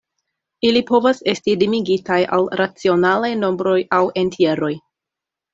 Ili povas esti limigitaj al racionalaj nombroj aŭ entjeroj.